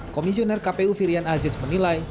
kepala komisi pemilihan umum hashari